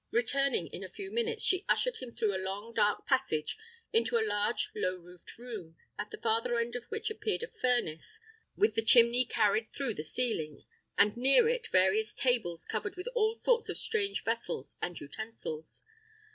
Returning in a few minutes, she ushered him through a long dark passage into a large low roofed room, at the farther end of which appeared a furnace, with the chimney carried through the ceiling, and near it various tables covered with all sorts of strange vessels and utensils.